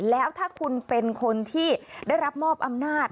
แล้วถ้าคุณเป็นคนที่ได้รับมอบอำนาจ